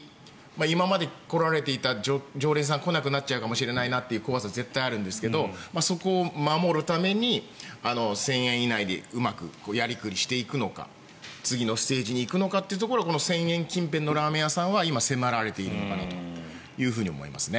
今まで来られていた常連さんが来なくなっちゃうかもなという怖さは絶対にあるんですけどそこを守るために１０００円以内でうまくやり繰りしていくのか次のステージに行くのかというところでこの１０００円近辺のラーメン屋さんは今、迫られているのかなと思いますね。